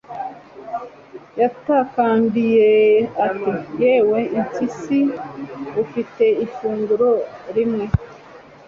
yatakambiye ati 'yewe impyisi, ufite ifunguro rimwe